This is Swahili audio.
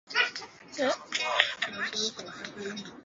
Aidha amewataka raia wote kuwa kitu kimoja na kuzika tofauti zote